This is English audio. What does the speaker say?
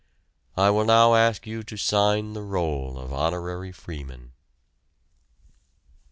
I will now ask you to sign the roll of honorary freemen.